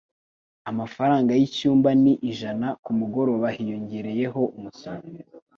Amafaranga yicyumba ni ijana kumugoroba hiyongereyeho umusoro